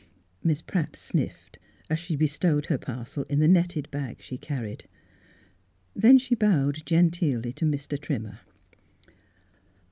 Miss Pratt sniifed, as she bestowed her parcel in the netted bag she carried. Then she bowed genteelly to Mr. Trim mer.